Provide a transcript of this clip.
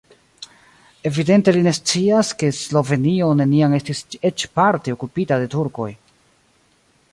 Evidente li ne scias, ke Slovenio neniam estis eĉ parte okupita de turkoj.